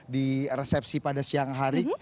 di resepsi pada siang hari